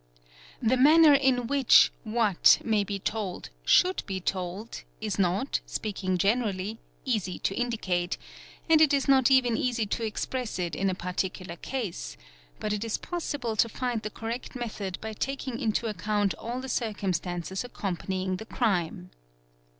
The manner in which what may be told should be told is not, speaking generally, easy to indicate ; and it is not even easy to express it in a particular case ; but it is possible to find the correct method by taking into account all the circumstances accompanying the crime.